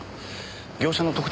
業者の特定